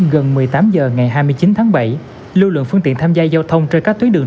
gần một mươi tám h ngày hai mươi chín tháng bảy lưu lượng phương tiện tham gia giao thông trên các tuyến đường